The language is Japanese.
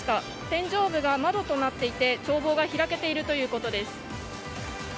天井部が窓となっていて眺望が開けているということです。